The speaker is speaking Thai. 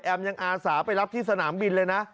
ยังอาสาไปรับที่สนามบินเลยนะ